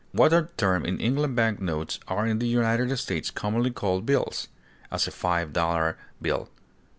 What are termed in England bank notes are in the United States commonly called bills; as, a five dollar bill.